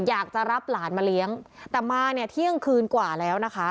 อยากจะรับหลานมาเลี้ยงแต่มาเนี่ยเที่ยงคืนกว่าแล้วนะคะ